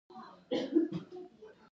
د توسا او اکي قلمرونو مشران ملګري کړي وو.